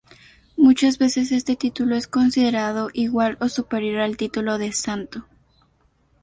Muchas veces este título es considerado igual o superior al título de "Santo".